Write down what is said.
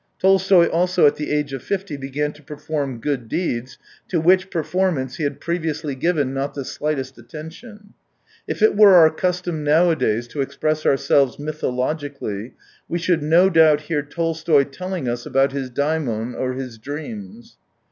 Tolstoy also at the age of fifty began to per form good deeds, to which performance he had previously given not the slightest atten tion. If it were our custom nowadays to express ourselves mythologically, we should no doubt hear Tolstoy telling us about his daimon or his dreams.